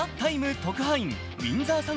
特派員、ウィンザーさん